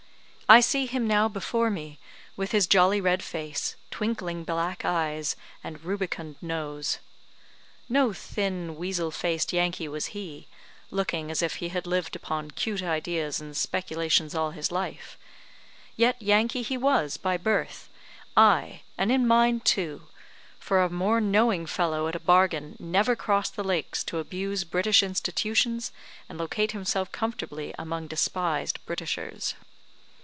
I see him now before me, with his jolly red face, twinkling black eyes, and rubicund nose. No thin, weasel faced Yankee was he, looking as if he had lived upon 'cute ideas and speculations all his life; yet Yankee he was by birth, ay, and in mind, too; for a more knowing fellow at a bargain never crossed the lakes to abuse British institutions and locate himself comfortably among despised Britishers.